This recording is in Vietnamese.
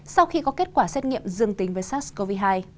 sau khi có kết quả xét nghiệm dương tính với sars cov hai